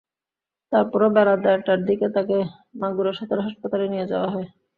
তারপরও বেলা দেড়টার দিকে তাঁকে মাগুরা সদর হাসপাতালে নিয়ে যাওয়া হয়।